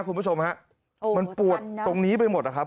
คุณผู้ชมฮะมันปวดตรงนี้ไปหมดนะครับ